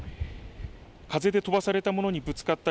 風で飛ばされたものにぶつかった